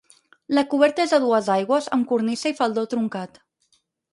La coberta és a dues aigües amb cornisa i faldó truncat.